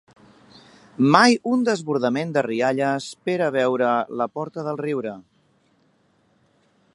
Mai un desbordament de rialles pera veure la porta del riure